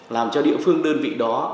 làm cho địa phương đơn vị đó